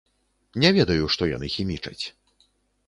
Не ведаю, што яны хімічаць.